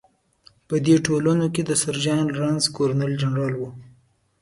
په دې ټولو کلونو کې سر جان لارنس ګورنر جنرال و.